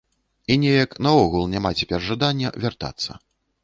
І неяк наогул няма цяпер жадання вяртацца.